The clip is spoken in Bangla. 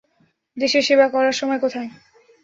দেশের সেবা করার সময় কোথায়।